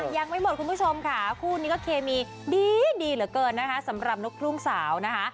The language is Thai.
ยังไม่หมดคุณผู้ชมค่ะคู่นี้ก็เคมีดีเหลือเกินนะคะสำหรับลูกทุ่งสาวนะคะ